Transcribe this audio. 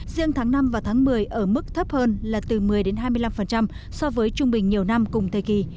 riêng tháng năm và tháng một mươi ở mức thấp hơn là từ một mươi hai mươi năm so với trung bình nhiều năm cùng thời kỳ